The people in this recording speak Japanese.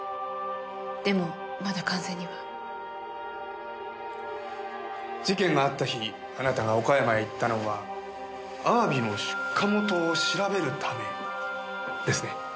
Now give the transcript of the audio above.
でもまだ完全には。事件があった日あなたが岡山へ行ったのはあわびの出荷元を調べるためですね？